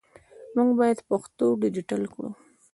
موږ باید پښتو ډیجیټل کړو